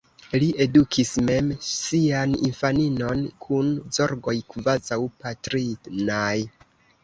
Li edukis mem sian infaninon, kun zorgoj kvazaŭ patrinaj.